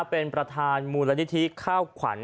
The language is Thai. เป็นประธานมูลนิธิข้าวขวัญ